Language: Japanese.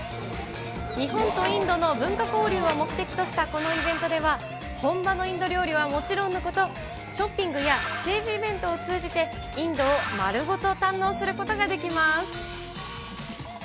日本とインドの文化交流を目的としたこのイベントでは、本場のインド料理はもちろんのこと、ショッピングやステージイベントを通じて、インドを丸ごと堪能することができます。